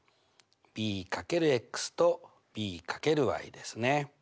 ｂ×とｂ×ですね。